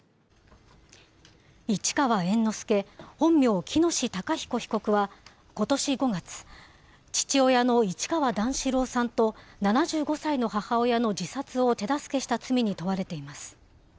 市川猿之助、本名・喜熨斗孝彦被告はことし５月、父親の市川段四郎さんと７５歳の母親の自殺を手助けした罪に問われています。